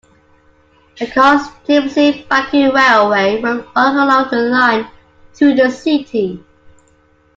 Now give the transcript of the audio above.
The Kars-Tbilisi-Baku railway will run along the line through the city.